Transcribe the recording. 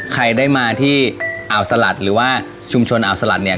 ใครได้มาที่อ่าวสลัดหรือว่าชุมชนอ่าวสลัดเนี่ย